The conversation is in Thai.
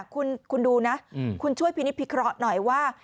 คุณดูนะคุณช่วยพินิศพิเคราะห์หน่อยว่า